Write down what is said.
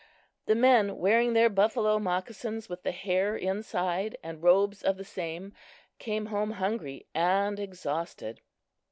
The men, wearing their buffalo moccasins with the hair inside and robes of the same, came home hungry and exhausted.